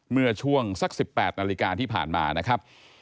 เมื่อช่วงสัก๑๘นาฬิกาที่ผ่านมานะครับ